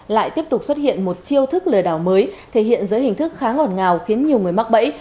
lại tiếp tục xuất hiện một chiêu thức lừa đảo mới thể hiện dưới hình thức khá ngọt ngào khiến nhiều người mắc bẫy